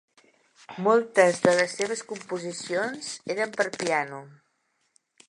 Moltes de les seves composicions eren per piano.